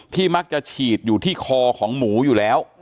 มักจะฉีดอยู่ที่คอของหมูอยู่แล้ว